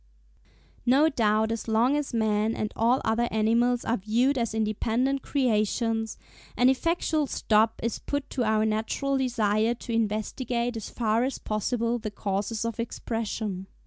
No doubt as long as man and all other animals are viewed as independent creations, an effectual stop is put to our natural desire to investigate as far as possible the causes of Expression.